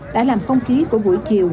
đã làm không khí của buổi chiều